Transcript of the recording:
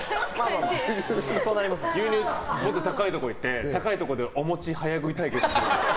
牛乳持って高いところ行って高いところでお餅早食い対決しよう。